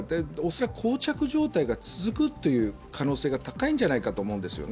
恐らく、こう着状態が続くという可能性が高いんじゃないかと思うんですよ。